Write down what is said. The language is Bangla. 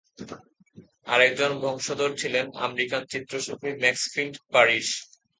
আরেকজন বংশধর ছিলেন আমেরিকান চিত্রশিল্পী ম্যাক্সফিল্ড পারিস।